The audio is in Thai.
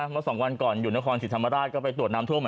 มาสองวันก่อนอยู่ในห้องนคลสีชมราช